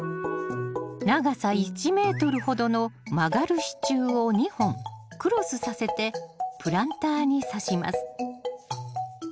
長さ１ｍほどの曲がる支柱を２本クロスさせてプランターにさします。